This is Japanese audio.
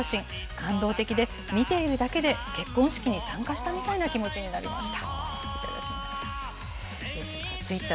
感動的で、見ているだけで結婚式に参加したみたいな気持ちになりました。